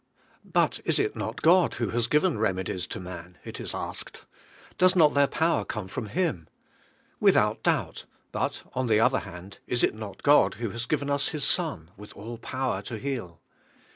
Rat is it not God who has given reme dies to man? it is asked. Does not their power come from ITim? Without doubt; but on the other hand, is it not God who has given as His Ron with all power to heal?